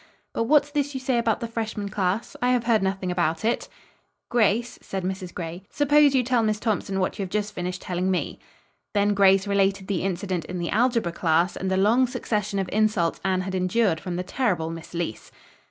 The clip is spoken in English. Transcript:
"But what's this you say about the freshman class? I have heard nothing about it." "Grace," said Mrs. Gray, "suppose you tell Miss Thompson what you have just finished telling me." Then Grace related the incident in the algebra class and the long succession of insults Anne had endured from the terrible Miss Leece.